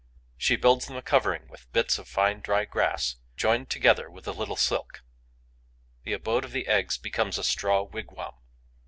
She builds them a covering with bits of fine, dry grass, joined together with a little silk. The abode of the eggs becomes a straw wigwam.